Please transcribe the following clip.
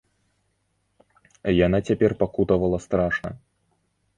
Яна цяпер пакутавала страшна.